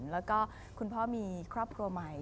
แล้วก็คุณพ่อมีครอบครัวใหม่